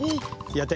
やって。